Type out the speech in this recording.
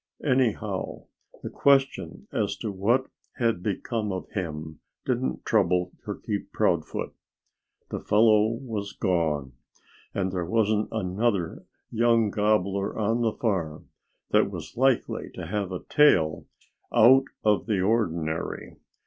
Anyhow, the question as to what had become of him didn't trouble Turkey Proudfoot. The fellow was gone. And there wasn't another young gobbler on the farm that was likely to have a tail out of the ordinary.